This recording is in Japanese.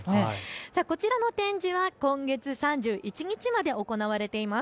こちらの展示は今月３１日まで行われています。